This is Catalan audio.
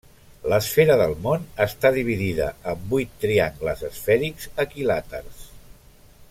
L'esfera del món està dividida en vuit triangles esfèrics equilàters.